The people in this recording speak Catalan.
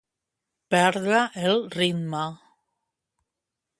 Perdre el ritme.